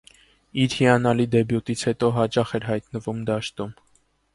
Իր հիանալի դեբյուտից հետո, հաճախ էր հայտնվում դաշտում։